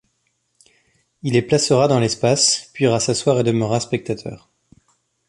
Il les placera dans l'espace puis ira s'asseoir et demeurera spectateur.